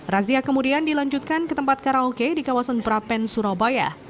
razia kemudian dilanjutkan ke tempat karaoke di kawasan prapen surabaya